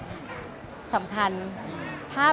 สวัสดีคุณครับสวัสดีคุณครับ